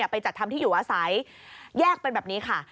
ไปจัดทำที่อยู่อาศัยแยกเป็นแบบนี้ค่ะ